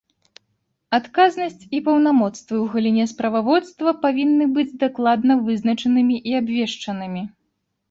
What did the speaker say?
Адказнасць і паўнамоцтвы ў галіне справаводства павінны быць дакладна вызначанымі і абвешчанымі.